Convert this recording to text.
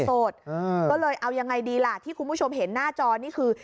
ก็เลยเอายังไงดีล่ะที่คุณผู้ชมเห็นหน้าจอนี่คือ